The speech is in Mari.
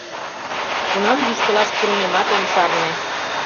— Кунам йӱштылаш пурымемат ом шарне.